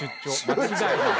間違いない。